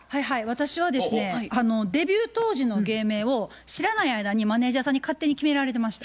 私はですねデビュー当時の芸名を知らない間にマネージャーさんに勝手に決められてました。